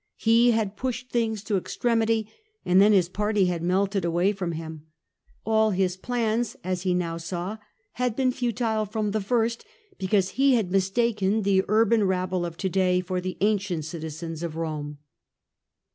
He had pushed things to extremity, and then Ms party had melted away from him. All Ms plans, as he now saw, had been futile from the first, because he had mistaken the urban rabble of to day for the ancient citizens of Eome.